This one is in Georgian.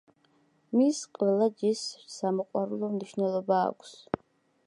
მის ყველა ჯიშს სამოყვარულო მნიშვნელობა აქვს.